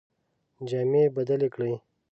جامې بدلي کړې.